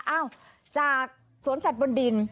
อ้าวจากสวนสัตว์บนดิน